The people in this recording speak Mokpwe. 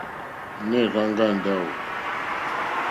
Nɛh Rzang'a Ndawo?